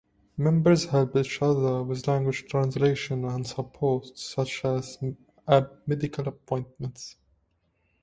Members helped each other with language translation and support such as at medical appointments.